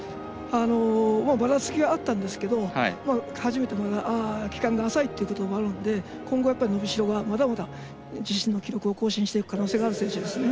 バラツキがあったんですけど初めてで期間が浅いということもあって今後、伸びしろがまだまだ自身の記録を更新していく可能性がある選手ですね。